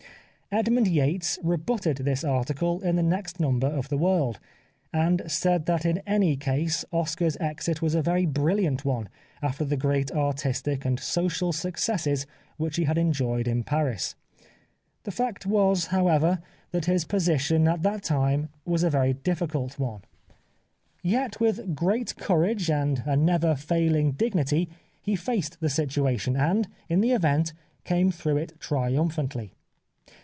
Edmund Yates re butted this article in the next number of The World, and said that in any case Oscar's exit was a very brilliant one after the great artistic and social successes which he had enjoyed in Paris. The fact was, however, that his position at that time was a very difficult one. Yet with 243 The Life of Oscar Wilde great courage and a never failing dignity he faced the situation, and, in the event, came through it triumphantly.